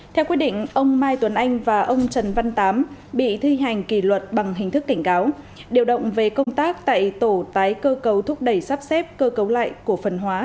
theo quyết định ông mai tuấn anh và ông trần văn tám bị thi hành kỳ luật bằng hình thức cảnh cáo điều động về công tác tại tổ tái cơ cấu thúc đẩy sắp xếp cơ cấu lại cổ phần hóa